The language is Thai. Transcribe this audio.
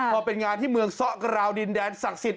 พอเป็นงานที่เมืองซ่อกราวดินแดนศักดิ์สิทธิ